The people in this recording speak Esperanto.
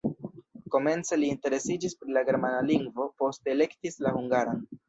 Komence li interesiĝis pri la germana lingvo, poste elektis la hungaran.